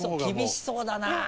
厳しそうだな。